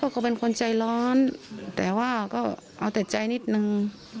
ก็เป็นคนใจร้อนแต่ว่าก็เอาแต่ใจนิดนึง